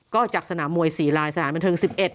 ก็จากสนามมวย๔ลายสถานบันเทิง๑๑